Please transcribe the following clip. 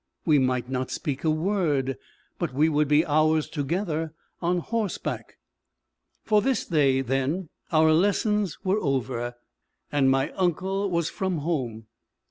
We might not speak a word, but we would be hours together on horseback. For this day, then, our lessons were over, and my uncle was from home.